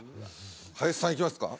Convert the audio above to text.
林さんいきますか？